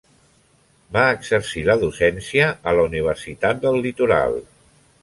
Va exercir la docència a la Universitat del Litoral.